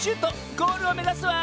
ゴールをめざすわ！